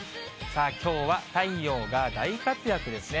きょうは太陽が大活躍ですね。